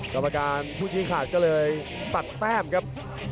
กรรมการผู้ชี้ขาดก็เลยตัดแต้มครับ